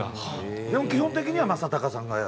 でも基本的には正隆さんがやる？